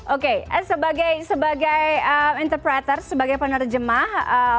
oke sebagai interpreter sebagai penerjemah